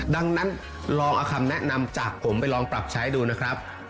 ดังนั้นลองเอาคำแนะนำจากผมไปลองปรับใช้ดูนะครับ